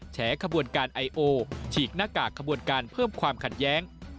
แฉขบวนการไอโอฉีกหน้ากากขบวนการเพิ่มความขัดแย้ง